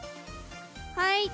はい！